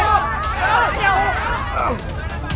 masuk masuk masuk